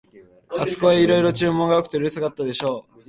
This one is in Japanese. あすこへ、いろいろ注文が多くてうるさかったでしょう、